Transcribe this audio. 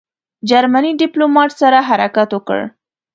جرمني ډیپلوماټ سره حرکت وکړ.